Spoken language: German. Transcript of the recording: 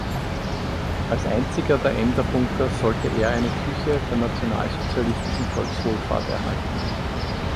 Als einziger der Emder Bunker sollte er eine Küche der Nationalsozialistischen Volkswohlfahrt erhalten.